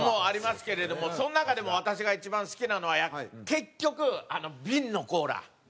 ありますけれどもその中でも私が一番好きなのは結局瓶のコーラ。